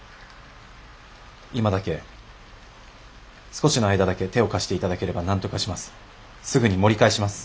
今だけ少しの間だけ手を貸して頂ければなんとかします。